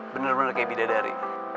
bener bener kayak bidadari